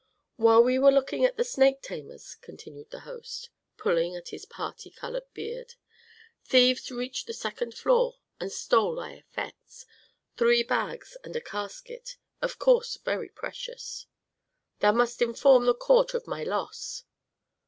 "While we were looking at the snake tamers," continued the host, pulling at his parti colored beard, "thieves reached the second story and stole thy effects, three bags and a casket, of course very precious." "Thou must inform the court of my loss."